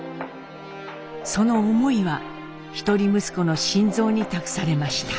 その思いは一人息子の新造に託されました。